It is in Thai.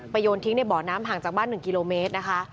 โยนทิ้งในบ่อน้ำห่างจากบ้าน๑กิโลเมตรนะคะ